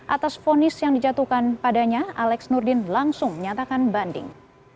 atas fonis yang dijatuhkan padanya alex nurdin langsung menyatakan banding